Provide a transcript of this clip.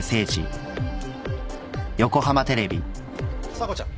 査子ちゃん。